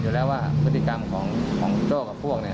อยู่แล้วว่าพฤติกรรมของโจ้กับพวกเนี่ย